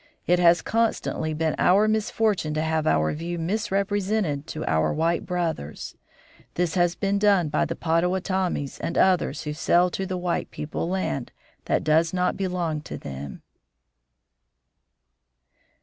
It has constantly been our misfortune to have our view misrepresented to our white brothers. This has been done by the Pottawottomies and others who sell to the white people land that does not belong to them."